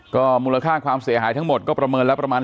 ก็มูลค่าความเสียหายทั้งหมดก็ประเมินแล้วประมาณ